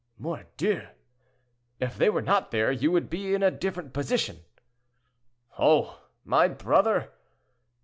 "Mordieu! If they were not there, you would be in a different position." "Oh! my brother!"